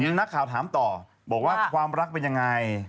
นักข่าวถามต่อบอกว่าความรักเป็นยังไง